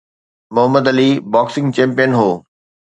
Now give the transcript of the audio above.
Muhammad Ali boxing champion هو